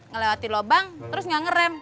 ngelewati lubang terus nggak ngerem